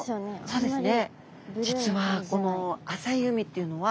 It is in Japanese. そうですね。